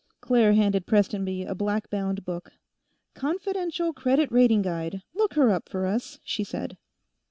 Claire handed Prestonby a black bound book. "Confidential credit rating guide; look her up for us," she said.